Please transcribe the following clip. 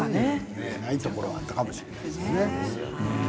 見ないところはあったかもしれないね。